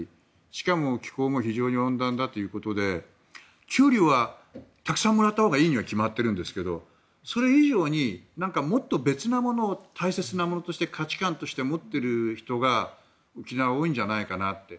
しかも気候も非常に温暖だということで給料はたくさんもらったほうがいいには決まっているんですけどそれ以上にもっと別のものを大切なものとして価値観として持っている人が沖縄は多いんじゃないかなって。